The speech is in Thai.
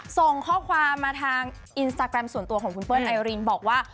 ส่งข้อความมาทางอินสตาแกรมส่วนตัวของคุณเปิ้ลไอรินบอกว่า